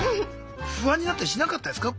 不安になったりしなかったですか？